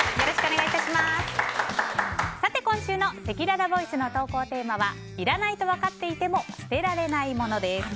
今週のせきららボイスの投稿テーマはいらないとわかっていても捨てられないものです。